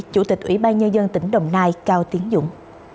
chủ tịch ủy ban nhân dân tỉnh đồng nai cao tiến dũng